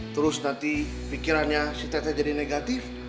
terus nanti pikirannya si tete jadi negatif